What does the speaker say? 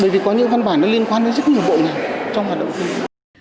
bởi vì có những văn bản nó liên quan đến rất nhiều bộ ngành trong hoạt động kinh doanh